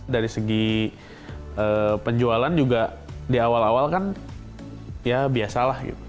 dari segi penjualan juga di awal awal kan ya biasalah gitu